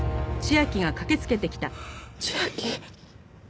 千明。